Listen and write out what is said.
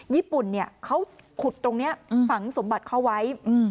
ญี่ปุ่นเขาขุดตรงนี้ฝังสมบัติเขาไว้